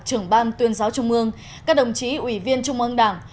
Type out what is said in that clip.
trưởng ban tuyên giáo trung ương các đồng chí ủy viên trung ương đảng